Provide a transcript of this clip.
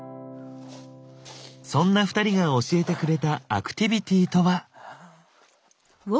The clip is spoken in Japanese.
そんな二人が教えてくれたアクティビティとは。